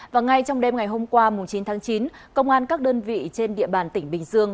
và ngay trong đêm ngày hôm qua chín tháng chín công an các đơn vị trên địa bàn tỉnh bình dương